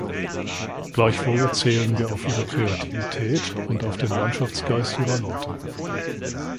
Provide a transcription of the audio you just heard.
Gleichwohl zählen wir auf Ihre Kreativität und auf den Mannschaftsgeist Ihrer Leute.